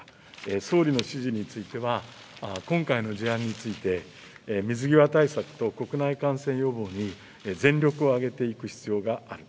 総理の指示については、今回の事案について、水際対策と国内感染予防に全力を挙げていく必要がある。